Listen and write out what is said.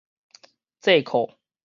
制誥